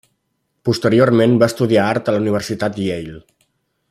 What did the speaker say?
Posteriorment va estudiar Art a la Universitat Yale.